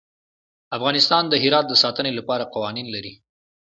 افغانستان د هرات د ساتنې لپاره قوانین لري.